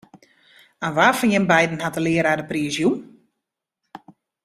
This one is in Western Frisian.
Oan wa fan jim beiden hat de learaar de priis jûn?